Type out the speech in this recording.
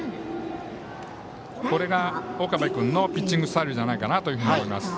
これが岡部君のピッチングスタイルじゃないかなと思います。